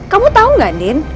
kamu tahu tidak andin